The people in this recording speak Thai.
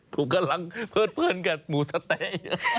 กูกำลังเผิดเพลินกับหมูสะเต๊ะเอะ